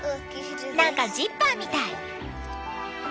何かジッパーみたい！